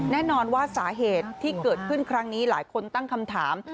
แน่นอนว่าสาเหตุที่เกิดขึ้นครั้งนี้หลายคนตั้งคำถาม